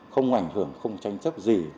không ảnh hưởng không tranh chấp gì